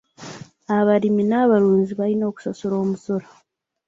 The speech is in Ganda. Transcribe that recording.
Abalimi n'abalunzi balina okusasula omusolo.